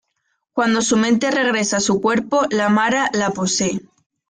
Cuando su mente regresa a su cuerpo, la Mara la posee.